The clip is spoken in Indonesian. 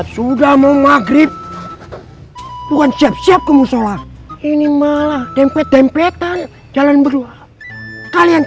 sudah mau maghrib bukan siap siap kemusyola ini malah dempet dempetan jalan berdua kalian